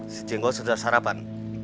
si jenggo sudah sarapan